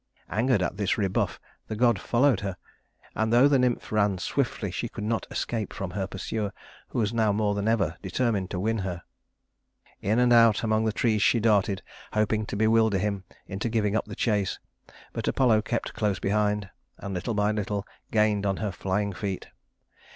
Angered at this rebuff, the god followed her, and though the nymph ran swiftly she could not escape from her pursuer, who was now more than ever determined to win her. [Illustration: Apollo and Daphne] In and out among the trees she darted, hoping to bewilder him into giving up the chase; but Apollo kept close behind, and little by little gained on her flying feet.